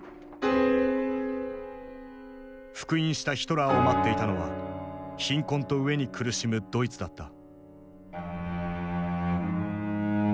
復員したヒトラーを待っていたのは貧困と飢えに苦しむドイツだった。